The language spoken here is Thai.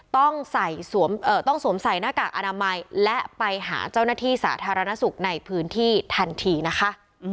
ต้องสวมใส่หน้ากากอนามัยและไปหาเจ้าหน้าที่สาธารณสุขในพื้นที่ทันทีนะคะ